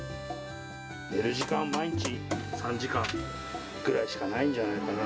寝る時間毎日３時間くらいしかないんじゃないかな。